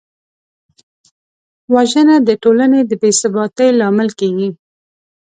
وژنه د ټولنې د بېثباتۍ لامل کېږي